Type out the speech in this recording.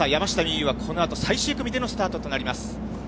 有は、このあと最終組でのスタートとなります。